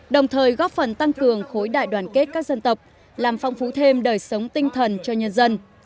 đồng thời góp phần tăng cường khối đại đoàn kết các dân tộc làm phong phú thêm đời sống tinh thần cho nhân dân